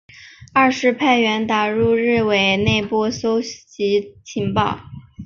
二是派员打入日伪内部搜集情报。